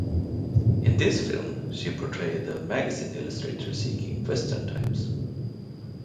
In this film she portrayed a magazine illustrator seeking western types.